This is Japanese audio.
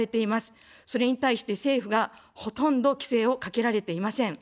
それに対して政府がほとんど規制をかけられていません。